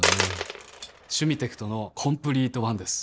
「シュミテクトのコンプリートワン」です